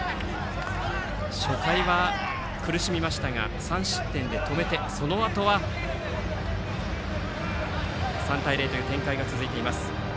初回は苦しみましたが３失点で止めてそのあとは３対０という展開が続いています。